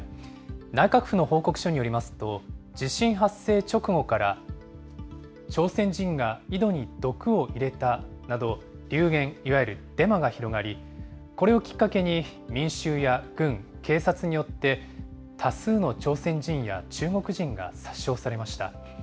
内閣府の報告書によりますと、地震発生直後から、朝鮮人が井戸に毒を入れたなど、流言、いわゆるデマが広がり、これをきっかけに、民衆や軍、警察によって多数の朝鮮人や中国人が殺傷されました。